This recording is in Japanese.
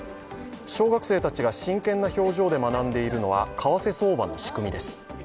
小学生たちが真剣な表情で学んでいるのは為替相場の仕組みです。